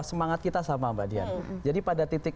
semangat kita sama mbak dian jadi pada titik